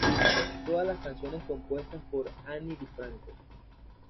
Todas las canciones compuestas por Ani DiFranco.